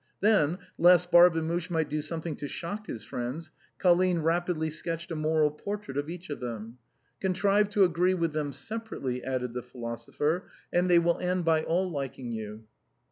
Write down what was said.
Then, lest Barbemuche might do something to shock his friends. Colline rapidly sketched a moral portrait of each of them. " Contrive to agree with them separately," added the philosopher, " and they will end by all liking you."